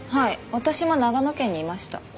私も長野県にいました。